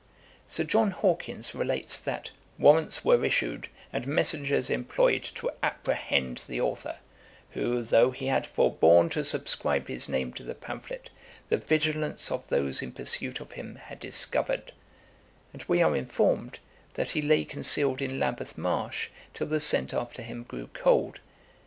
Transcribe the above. Sir John Hawkins relates, that, 'warrants were issued, and messengers employed to apprehend the authour; who, though he had forborne to subscribe his name to the pamphlet, the vigilance of those in pursuit of him had discovered;' and we are informed, that he lay concealed in Lambeth marsh till the scent after him grew cold.